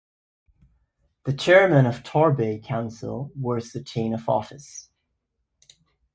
The Chairman of Torbay Council wears the chain of office.